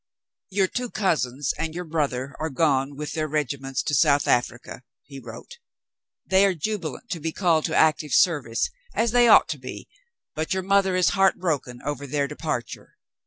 "Your two cousins and your brother are gone with their regiments to South Africa," he wrote. "They are jubilant to be called to active service, as they ought to be, but your mother is heartbroken over their departure.